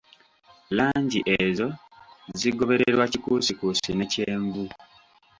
Langi ezo zigobererwa kikuusikuusi ne kyenvu